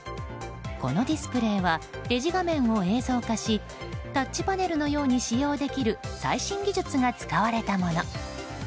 このディスプレーはレジ画面を映像化しタッチパネルのように使用できる最新技術が使われたもの。